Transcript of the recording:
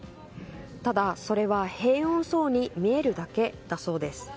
ただ、それは平穏そうに見えるだけだそうです。